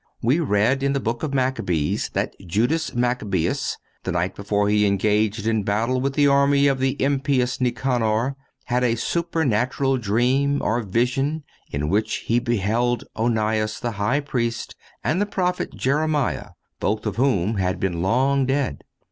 We read in the Book of Maccabees that Judas Maccabeus, the night before he engaged in battle with the army of the impious Nicanor, had a supernatural dream, or vision, in which he beheld Onias, the High Priest, and the prophet Jeremiah, both of whom had been long dead.